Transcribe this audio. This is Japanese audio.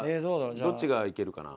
どっちがいけるかな？